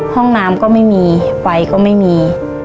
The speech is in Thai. ห้องน้ำก็ไม่มีไฟก็ไม่มี